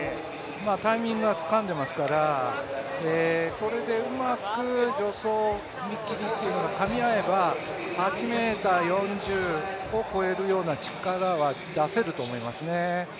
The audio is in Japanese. タイミングはつかんでますから、これでうまく助走、踏み切りがかみ合えば８ｍ４０を越えるような力は出せると思いますね。